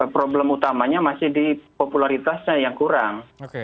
problem utamanya masih di popularitasnya yang kurang